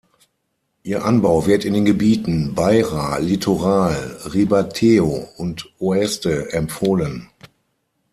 Ihr Anbau wird in den Gebieten Beira Litoral, Ribatejo und Oeste empfohlen.